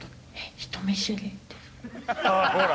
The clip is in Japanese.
ああほら。